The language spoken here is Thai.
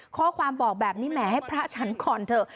ข้อความบอกแบบนี้แหมให้พระฉันก่อนเถอะ